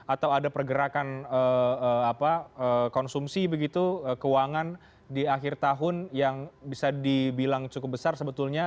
atau ada pergerakan konsumsi begitu keuangan di akhir tahun yang bisa dibilang cukup besar sebetulnya